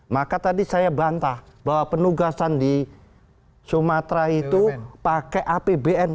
maka tadi saya bantah bahwa penugasan di sumatera itu pakai apbn